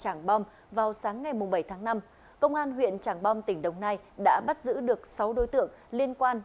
trảng bom vào sáng ngày bảy tháng năm công an huyện trảng bom tỉnh đồng nai đã bắt giữ được sáu đối tượng liên quan